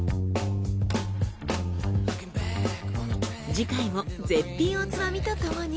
次回も絶品おつまみとともに。